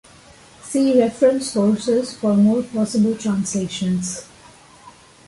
See reference sources for more possible translations.